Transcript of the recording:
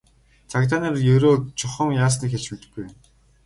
Цагдаа нар Ерөөг чухам яасныг хэлж мэдэхгүй байна.